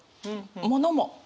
物も。